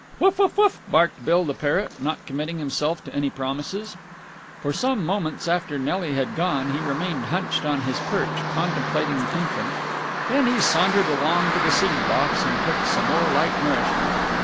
"Woof woof woof!" barked Bill the parrot, not committing himself to any promises. For some moments after Nelly had gone he remained hunched on his perch, contemplating the infinite. Then he sauntered along to the seed box and took some more light nourishment.